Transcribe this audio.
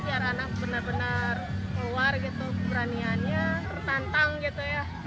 biar anak benar benar keluar gitu keberaniannya tertantang gitu ya